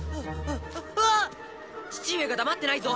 父上が黙ってないぞ